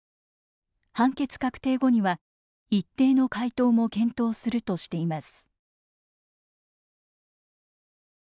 判決確定後には一定の回答も検討する」としています。